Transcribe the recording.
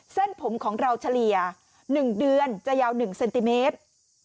เส้นผมของเราเฉลี่ย๑เดือนจะยาว๑เซนติเมตร